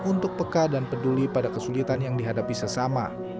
untuk peka dan peduli pada kesulitan yang dihadapi sesama